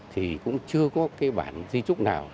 thì cũng chưa có cái bản di trúc nào